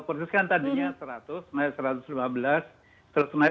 persis kan tadinya seratus naik satu ratus lima belas terus naik satu ratus delapan belas